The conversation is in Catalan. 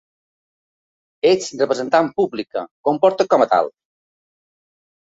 Ets representant pública, comportat com a tal.